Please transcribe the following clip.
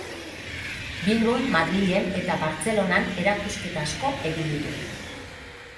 Bilbon, Madrilen eta Bartzelonan erakusketa asko egin ditu.